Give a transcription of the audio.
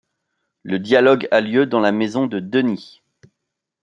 Le dialogue a lieu dans la maison de Denys.